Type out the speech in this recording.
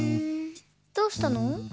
どうしたの？